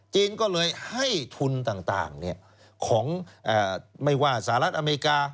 จีนก็เลยให้ทุนต่างของไม่ว่าสหรัฐอเมริกา